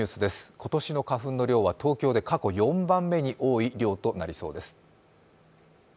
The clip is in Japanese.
今年の花粉の量は東京で過去４番目に多い量となりそうです